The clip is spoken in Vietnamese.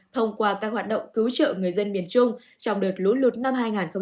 thông qua các hoạt động cứu trợ người dân miền trung trong đợt lũ lụt năm hai nghìn hai mươi